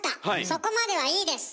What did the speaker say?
そこまではいいです！